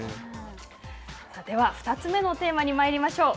では、２つ目のテーマにまいりましょう。